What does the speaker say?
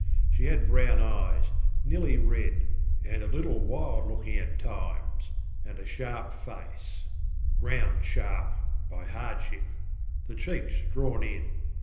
She had brown eyes, nearly red, and a little wild looking at times, and a sharp faceŌĆöground sharp by hardshipŌĆöthe cheeks drawn in.